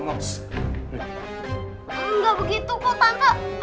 nggak begitu kok tante